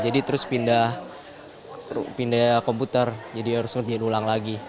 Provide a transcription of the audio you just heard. jadi terus pindah komputer jadi harus ngerjain ulang lagi